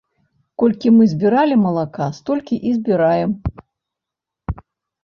Колькі мы збіралі малака, столькі і збіраем.